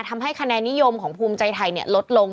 ทำให้คะแนนนิยมของภูมิใจไทยลดลง